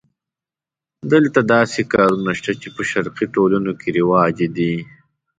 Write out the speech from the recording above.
دلته داسې کارونه شته چې په شرقي ټولنو کې رواج دي.